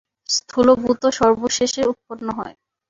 স্থূল ভূত সর্বশেষে উৎপন্ন হয়।